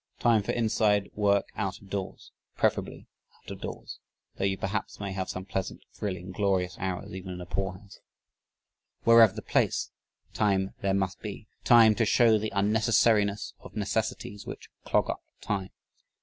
Time for inside work out of doors; preferably out of doors, "though you perhaps may have some pleasant, thrilling, glorious hours, even in a poor house." Wherever the place time there must be. Time to show the unnecessariness of necessities which clog up time.